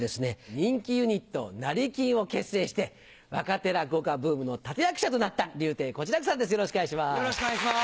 人気ユニット成金を結成して若手落語家ブームの立役者となった柳亭小痴楽さんです